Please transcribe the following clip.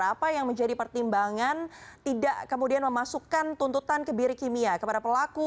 apa yang menjadi pertimbangan tidak kemudian memasukkan tuntutan kebiri kimia kepada pelaku